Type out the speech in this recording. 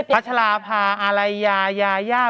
คาชาราภาอลัยยะยาย่า